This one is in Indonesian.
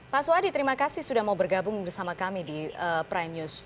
pak suhadi terima kasih sudah mau bergabung bersama kami di prime news